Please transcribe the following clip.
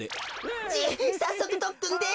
じいさっそくとっくんです。